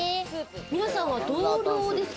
皆さんは同僚ですか？